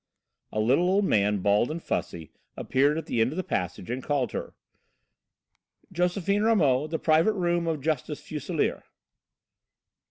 A little old man, bald and fussy, appeared at the end of the passage and called her. "Josephine Ramot, the private room of Justice Fuselier."